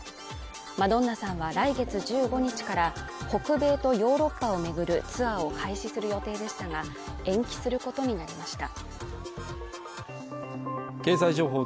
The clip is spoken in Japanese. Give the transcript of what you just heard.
マドンナさんは来月１５日から北米とヨーロッパを巡るツアーを開始する予定でしたが延期することになりました。